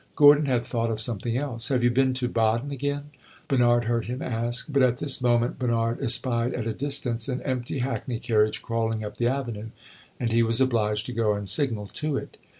Gordon had thought of something else. "Have you been to Baden again?" Bernard heard him ask. But at this moment Bernard espied at a distance an empty hackney carriage crawling up the avenue, and he was obliged to go and signal to it.